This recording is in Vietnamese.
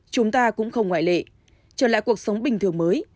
chúng ta cũng không ngoại lệ trở lại cuộc sống bình thường mới